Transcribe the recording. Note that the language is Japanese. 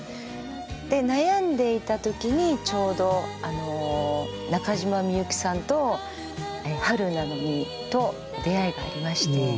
で悩んでいた時にちょうど中島みゆきさんと「春なのに」と出会いがありまして。